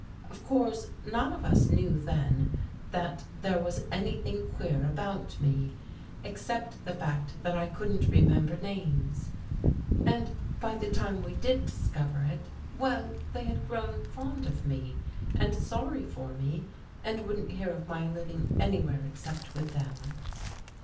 Of course none of us knew then that there was anything queer about me, except the fact that I couldn't remember names. And by the time we did discover it — well, they had grown fond of me and sorry for me and wouldn't hear of my living anywhere except with them."